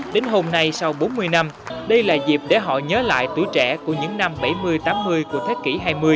đến hôm nay sau bốn mươi năm đây là dịp để họ nhớ lại tuổi trẻ của những năm bảy mươi tám mươi của thế kỷ hai mươi